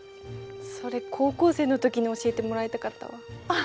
それ高校生の時に教えてもらいたかったわ。